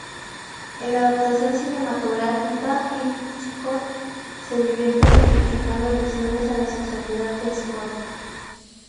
En la adaptación cinematográfica, Hitchcock se divierte multiplicando alusiones a la sexualidad de Scottie.